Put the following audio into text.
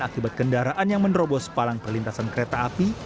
akibat kendaraan yang menerobos palang perlintasan kereta api